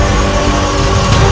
kau tak bisa menyembuhkan